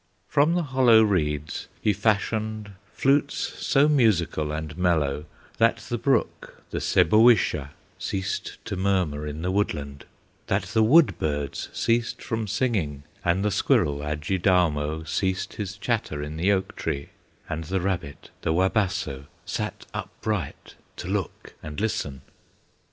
From the hollow reeds he fashioned Flutes so musical and mellow, That the brook, the Sebowisha, Ceased to murmur in the woodland, That the wood birds ceased from singing, And the squirrel, Adjidaumo, Ceased his chatter in the oak tree, And the rabbit, the Wabasso, Sat upright to look and listen.